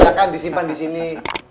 silahkan disimpan disini